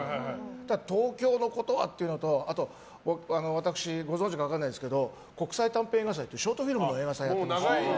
だから東京のことはというのとあと私、ご存じか分かりませんが国際短編映画祭っていうショートフィルムの映画祭やってるんです。